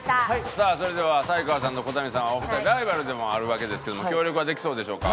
さあそれでは才川さんと小谷さんはお二人ライバルでもあるわけですけども協力はできそうでしょうか？